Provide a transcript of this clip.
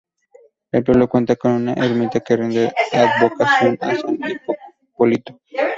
El pueblo cuenta con una ermita que rinde advocación a San Hipólito.